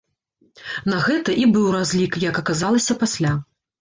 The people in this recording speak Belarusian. На гэта і быў разлік, як аказалася пасля.